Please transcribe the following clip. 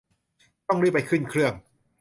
ต้องรีบไปขึ้นเครื่อง